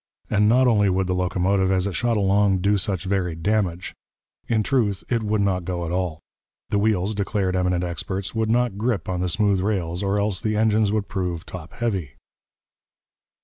And not only would the locomotive as it shot along do such varied damage; in truth, it would not go at all; the wheels, declared eminent experts, would not grip on the smooth rails, or else the engines would prove top heavy.